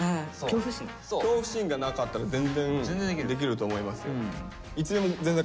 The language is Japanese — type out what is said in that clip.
恐怖心がなかったら全然できると思いますよ。